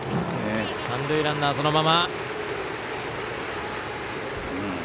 三塁ランナーはそのまま。